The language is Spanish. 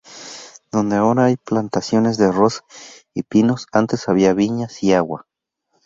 Donde ahora hay plantaciones de arroz y pinos, antes había viñas y agua.